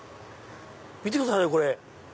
見てくださいよこれ。